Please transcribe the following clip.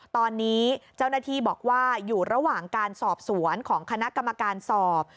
ตอนนี้เจ้าหน้าที่บอกว่าอยู่ระหว่างการสอบสวนของคณะกรรมการสอบ